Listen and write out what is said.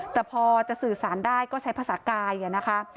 แต่พอจะสื่อสารได้ก็ใช้ภาษากายนะคะ